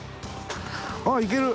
あっいける。